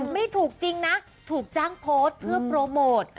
ไม่ถูกจริงนะถูกจ้างโพสต์เพื่อโปรโมท